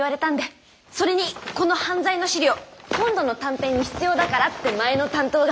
それにこの犯罪の資料今度の短編に必要だからって前の担当が。